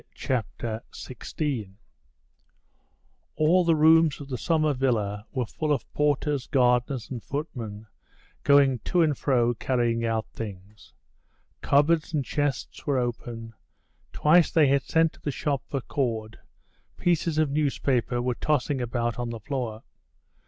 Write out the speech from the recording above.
Chapter 16 All the rooms of the summer villa were full of porters, gardeners, and footmen going to and fro carrying out things. Cupboards and chests were open; twice they had sent to the shop for cord; pieces of newspaper were tossing about on the floor.